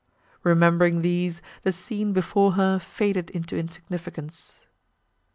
Remembering these, the scene before her faded into insignificance.